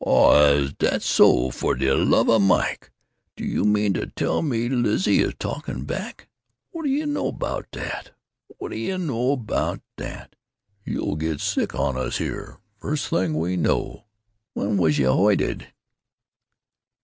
"Aw, is dat so!... For de love of Mike, d'yuh mean to tell me Lizzie is talking back? Whadda yuh know about dat! Whadda yuh know about dat! You'll get sick on us here, foist t'ing we know. Where was yuh hoited?"